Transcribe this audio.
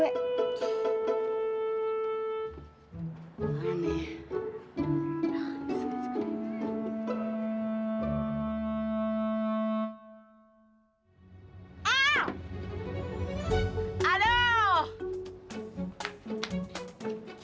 eh genek banget sih gue